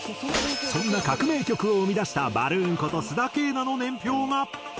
そんな革命曲を生み出したバルーンこと須田景凪の年表が。